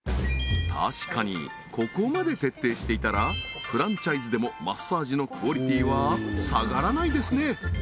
確かにここまで徹底していたらフランチャイズでもマッサージのクオリティーは下がらないですね